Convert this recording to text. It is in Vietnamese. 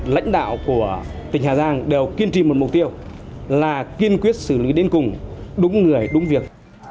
lãnh đạo của tỉnh hà giang đều kiên trì một mục tiêu là kiên quyết xử lý đến cùng đúng người đúng việc